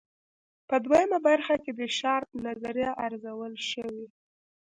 په دویمه برخه کې د شارپ نظریه ارزول شوې.